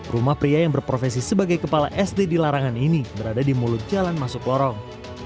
rumah pria yang berprofesi sebagai kepala sd di larangan ini berada di mulut jalan masuk lorong